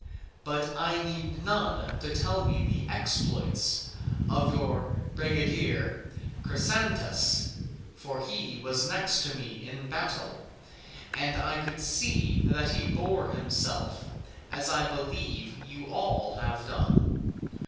But I need none to tell me the exploits of your brigadier Chrysantas; he was next to me in the battle and I could see that he bore himself as I believe you all have done.